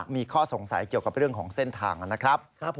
มีข้อสงสัยเกี่ยวกับเรื่องของเส้นทางนะครับ